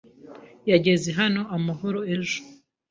Yageze hano amahoro ejo.